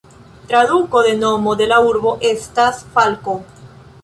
Traduko de nomo de la urbo estas "falko".